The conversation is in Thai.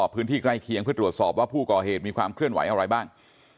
พื้นที่ใกล้เคียงเพื่อตรวจสอบว่าผู้ก่อเหตุมีความเคลื่อนไหวอะไรบ้าง